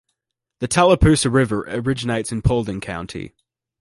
The Tallapoosa River originates in Paulding County.